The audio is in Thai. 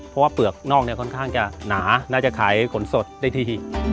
เพราะว่าเปลือกนอกเนี่ยค่อนข้างจะหนาน่าจะขายขนสดได้ดี